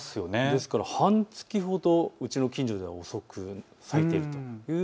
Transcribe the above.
ですから半月ほどうちの近所では遅く咲いているという。